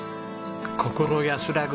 心安らぐ。